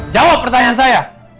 jawab pertanyaan saya